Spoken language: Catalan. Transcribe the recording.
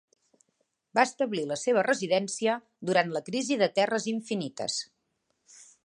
Va establir la seva residència durant la crisi de terres infinites.